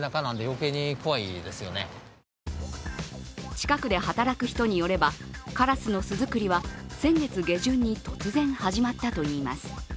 近くで働く人によれば、カラスの巣作りは先月下旬に突然始まったといいます。